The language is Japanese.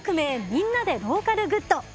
みんなでローカルグッド」。